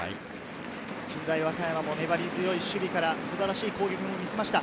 近大和歌山も粘り強い守備から素晴らしい攻撃を見せました。